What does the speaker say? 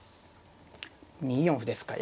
２四歩ですか。